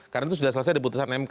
karena itu sudah selesai di putusan mk